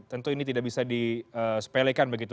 tentu ini tidak bisa disepelekan begitu